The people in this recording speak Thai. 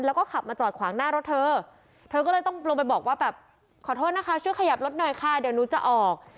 แล้วก็ขับมาจอดขวางหน้ารถเธอเธอก็เลยต้องลงไปบอกว่าแบบขอโทษนะคะช่วยขยับรถหน่อยค่ะเดี๋ยวหนูจะออก